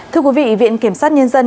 thưa quý vị viện kiểm soát nhân dân